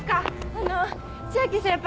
あの千秋先輩